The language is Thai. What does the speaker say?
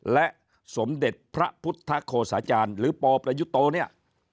และสมเด็จพระพุทธโฆษาจารย์หรือปประยุโตเนี่ย